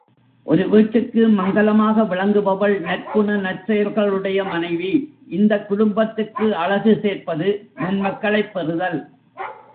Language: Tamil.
ஒரு வீட்டுக்கு மங்கலமாக விளங்குபவள் நற்குண நற்செயல்களுடைய மனைவி இந்தக் குடும்பத்துக்கு அழகு சேர்ப்பது நன்மக்களைப் பெறுதல்.